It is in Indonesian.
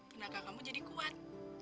tenaga kamu jadi kuat